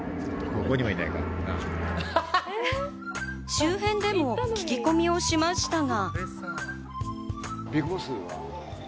周辺でも聞き込みをしましたが。